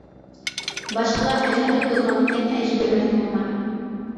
باشقىلار ئەجىر قىلىپ يوللىغان ئىكەن، ئەجرىگە ھۆرمەت قىلىڭلار.